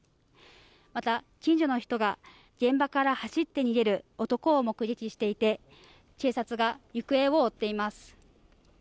また近所の人が、現場から走って逃げる男を目撃していて警察が行方を追っています。